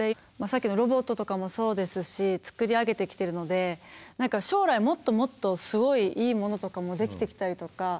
さっきのロボットとかもそうですし作り上げてきてるので何か将来もっともっとすごいいいものとかも出来てきたりとか。